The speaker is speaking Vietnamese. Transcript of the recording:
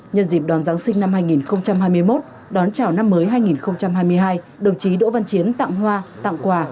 nhân dịp đoàn giáng sinh năm hai nghìn hai mươi một đón chào năm mới hai nghìn hai mươi hai đồng chí đỗ văn chiến tặng hoa tặng quà